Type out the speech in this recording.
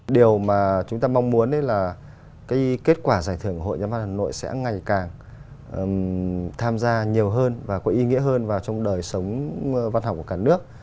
điều mà chúng ta mong muốn là cái kết quả giải thưởng của hội nhà văn hà nội sẽ ngày càng tham gia nhiều hơn và có ý nghĩa hơn vào trong đời sống văn học của cả nước